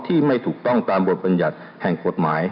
ไม่ถูกต้องตามบทบรรยัติแห่งกฎหมาย